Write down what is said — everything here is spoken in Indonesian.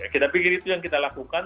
kita pikir itu yang kita lakukan